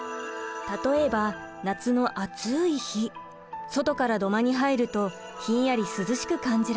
例えば夏の暑い日外から土間に入るとひんやり涼しく感じられます。